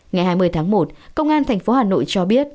ngày hai mươi tháng một công an thành phố hà nội cho biết